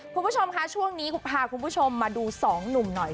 คุณผู้ชมคะช่วงนี้พาคุณผู้ชมมาดูสองหนุ่มหน่อย